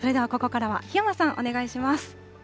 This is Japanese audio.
それではここからは檜山さんお願いします。